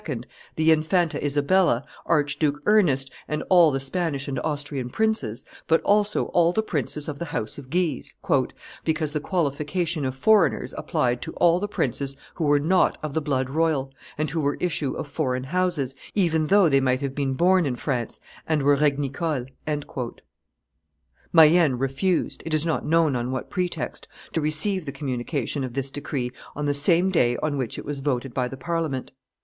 the Infanta Isabella, Archduke Ernest, and all the Spanish and Austrian princes, but also all the princes of the house of Guise, "because the qualification of foreigners applied to all the princes who were not of the blood royal and who were issue of foreign houses, even though they might have been born in France and were regnicoles." Mayenne refused, it is not known on what pretext, to receive the communication of this decree on the same day on which it was voted by the Parliament.